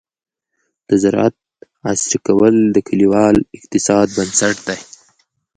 د زراعت عصري کول د کليوال اقتصاد بنسټ دی.